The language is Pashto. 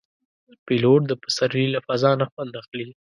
پیلوټ د پسرلي له فضا نه خوند اخلي.